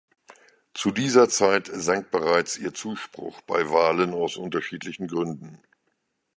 Zu dieser Zeit sank bereits ihr Zuspruch bei Wahlen aus unterschiedlichen Gründen.